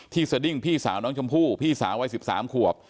สดิ้งพี่สาวน้องชมพู่พี่สาววัย๑๓ขวบ